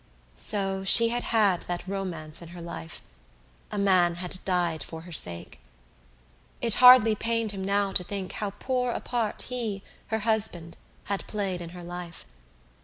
So she had had that romance in her life: a man had died for her sake. It hardly pained him now to think how poor a part he, her husband, had played in her life.